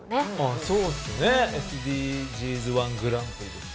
そうっすねＳＤＧｓ−１グランプリですか。